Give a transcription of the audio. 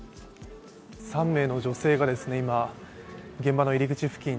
３名の女性が今、現場の入り口付近